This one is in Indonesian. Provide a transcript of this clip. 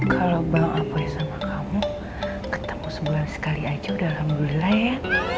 kalau bang avoi sama kamu ketemu sebulan sekali aja udah alhamdulillah ya